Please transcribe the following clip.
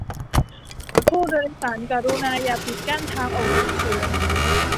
ผู้โดยสารกรุณาอย่าปิดกั้นทางออกฉุกเฉิน